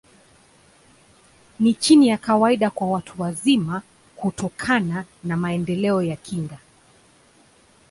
Ni chini ya kawaida kwa watu wazima, kutokana na maendeleo ya kinga.